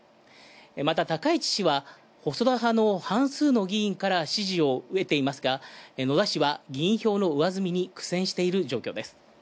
また高市氏は細田派の半数の議員から支持を得ていますが野田氏は議員票の上積みに苦戦している状況です。